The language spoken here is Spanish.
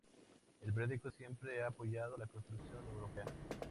El periódico siempre ha apoyado la construcción europea.